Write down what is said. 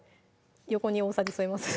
横に大さじ添えます？